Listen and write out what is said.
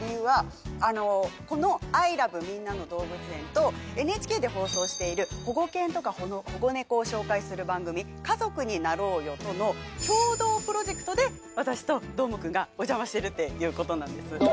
この『ＩＬＯＶＥみんなのどうぶつ園』とＮＨＫで放送している保護犬とか保護猫を紹介する番組『家族になろうよ』との共同プロジェクトで私とどーもくんがお邪魔してるっていうことなんです。